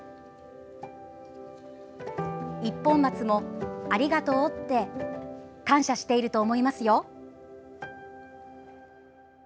「一本松も、ありがとうって感謝していると思いますよ」。